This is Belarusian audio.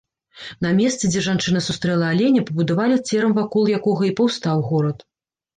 На месцы, дзе жанчына сустрэла аленя, пабудавалі церам вакол якога і паўстаў горад.